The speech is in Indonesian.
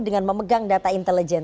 dengan memegang data intelijen